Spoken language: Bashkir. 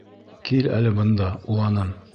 Кил әле бында, уланым.